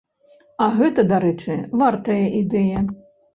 А гэта, дарэчы, вартая ідэя.